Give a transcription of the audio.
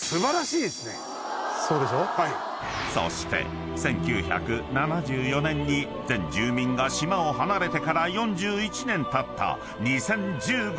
［そして１９７４年に全住民が島を離れてから４１年たった］